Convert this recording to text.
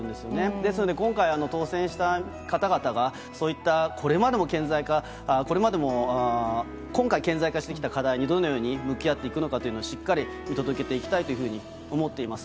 ですので今回当選した方々が、そういった、これまでも顕在化、今回顕在化してきた課題にどのように向き合っていくのかというのを、しっかり見届けていきたいというふうに思っています。